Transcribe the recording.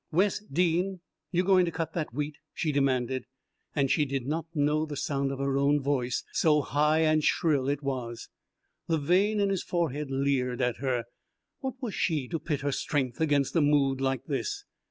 "Wes Dean, you going to cut that wheat?" she demanded; and she did not know the sound of her own voice, so high and shrill it was. The vein in his forehead leered at her. What was she to pit her strength against a mood like this?